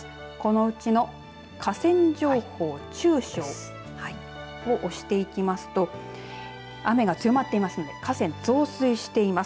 このうちの河川情報中小を押していきますと雨が強まっていますので河川、増水しています。